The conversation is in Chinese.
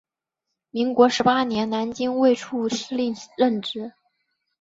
民国十八年于南京卫戍司令任职。